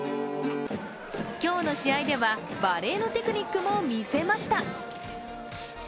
今日の試合ではバレーのテクニックも見せました。